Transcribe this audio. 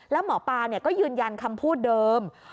แล้วหมอปลาก็ยืนยันคำพูดเดิม